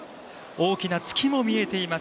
大きな月も見えています